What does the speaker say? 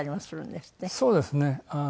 そうですね。